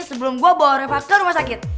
sebelum gue bawa reva ke rumah sakit